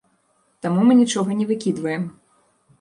Таму мы нічога не выкідваем.